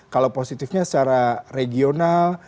kalau positifnya secara regional